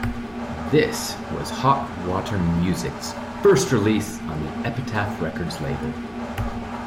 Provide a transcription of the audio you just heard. This was Hot Water Music's first release on the Epitaph Records label.